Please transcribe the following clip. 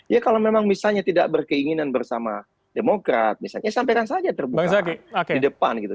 ya kalau memang misalnya tidak berkeinginan bersama demokrat misalnya sampaikan saja terbuka di depan gitu